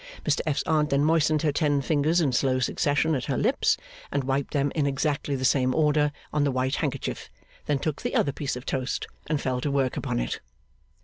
Mr F.'s Aunt then moistened her ten fingers in slow succession at her lips, and wiped them in exactly the same order on the white handkerchief; then took the other piece of toast, and fell to work upon it.